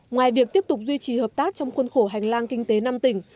ngoài việc tiếp tục duy trì hợp tác trong khuôn khổ hành lang kinh tế năm tỉnh